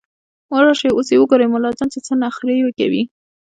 راشئ اوس يې ګورئ ملا جان چې څه نخروې کوي